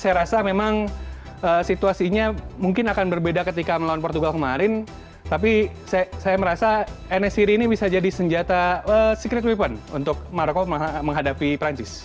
saya rasa memang situasinya mungkin akan berbeda ketika melawan portugal kemarin tapi saya merasa nscri ini bisa jadi senjata secret weapon untuk maroko menghadapi perancis